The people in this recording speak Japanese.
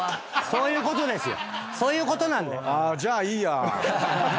そういうことなんだよ。